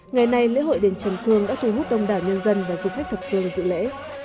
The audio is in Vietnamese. ngày nay lễ hội đền trần thương đã thu hút đông đảo nhân dân và giúp thích thực hương dự lễ